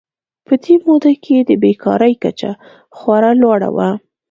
په دې موده کې د بېکارۍ کچه خورا لوړه وه.